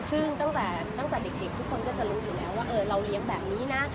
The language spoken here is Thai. ซึ่งตั้งแต่เด็กทุกคนก็จะรู้อยู่แล้วว่าเราเลี้ยงแบบนี้นะ